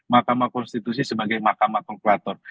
makamah konstitusi sebagai makamah konkulator